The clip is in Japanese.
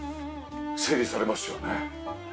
整理されますよね。